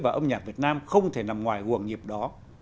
và âm nhạc việt nam không thể nằm ngoài quần nhịp đó